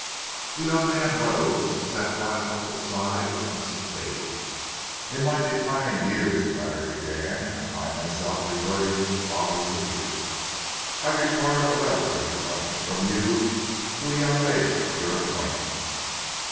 The young man rose and sat by his uncle's side on a settee. "In my declining years," the latter began, "I find myself reverting to the follies of youth. I require a letter of introduction from you to a young lady of your acquaintance."